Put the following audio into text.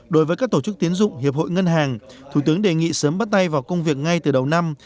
đối với các tổ chức tiến dụng hiệp hội ngân hàng thủ tướng đề nghị sớm bắt tay vào công việc ngay từ đầu năm